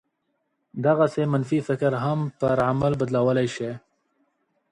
دغسې منفي فکر هم پر عمل بدلولای شي